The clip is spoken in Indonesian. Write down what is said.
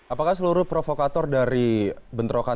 apakah seluruh provokator dari bentrokan